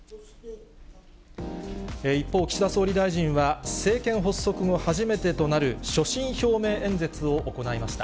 一方、岸田総理大臣は、政権発足後、初めてとなる所信表明演説を行いました。